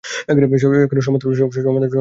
সমান্তরাল বর্তনী।